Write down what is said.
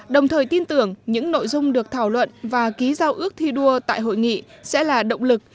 đồng thời tin tưởng những nội dung được thảo luận và ký giao ước thi đua tại hội nghị sẽ là động lực